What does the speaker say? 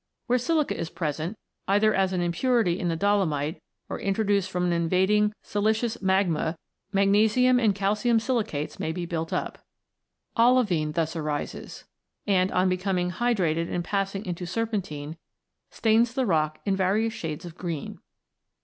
Where silica is present, either as an impurity in the dolomite, or introduced from an invading siliceous magma, magnesium and calcium silicates may be built upd9). Olivine thus arises, and, on becoming hydrated and passing into serpentine, stains the rock in various shades of green.